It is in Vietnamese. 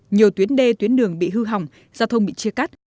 nhiều tuyến đê tuyến đường bị hư hỏng giao thông bị chia cắt